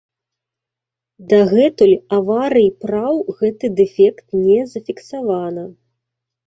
Дагэтуль аварый праў гэты дэфект не зафіксавана.